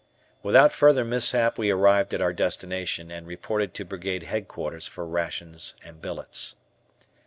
Without further mishap we arrived at our destination, and reported to Brigade Headquarters for rations and billets.